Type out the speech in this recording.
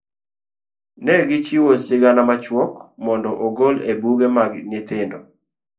ne gichiwo sigana machuok mondo ogol e buge mag nyithindo.